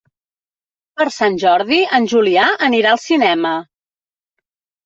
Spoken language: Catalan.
Per Sant Jordi en Julià anirà al cinema.